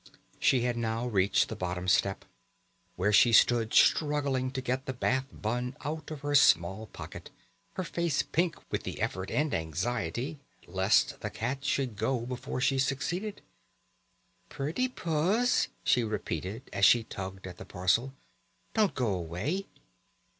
She had now reached the bottom step, where she stood struggling to get the Bath bun out of her small pocket, her face pink with the effort and anxiety lest the cat should go before she succeeded. "Pretty puss!" she repeated as she tugged at the parcel. "Don't go away."